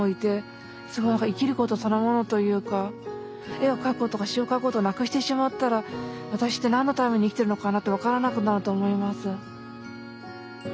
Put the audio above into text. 絵を描くとか詩を書くことをなくしてしまったら私って何のために生きてるのかなって分からなくなると思います。